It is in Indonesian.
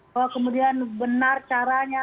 kalau kemudian benar caranya